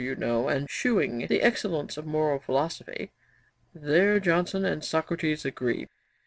392] you know and shewing the excellence of Moral Philosophy. There Johnson and Socrates agree.